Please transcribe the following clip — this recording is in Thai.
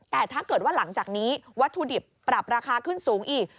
แต่ถ้าเกิดว่าหลังจากนี้วัตถุดิบปรับราคาขึ้นสูงอีก